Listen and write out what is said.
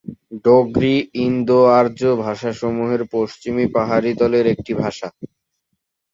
ডোগরি ইন্দো-আর্য ভাষাসমূহের পশ্চিম পাহাড়ী দলের একটি ভাষা।